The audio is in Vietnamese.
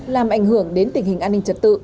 làm ảnh hưởng đến tình hình an ninh trật tự